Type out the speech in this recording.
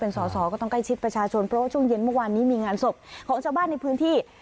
สอสอก็ต้องใกล้ชิดประชาชนเพราะว่าช่วงเย็นเมื่อวานนี้มีงานศพของชาวบ้านในพื้นที่